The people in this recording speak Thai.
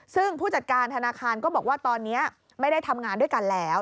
ซึ่งผู้จัดการธนาคารก็บอกว่าตอนนี้ไม่ได้ทำงานด้วยกันแล้ว